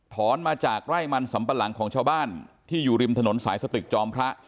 มาจากไร่มันสำปะหลังของชาวบ้านที่อยู่ริมถนนสายสตึกจอมพระ